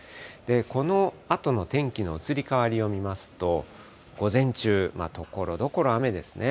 このあとの天気の移り変わりを見ますと、午前中、ところどころ雨ですね。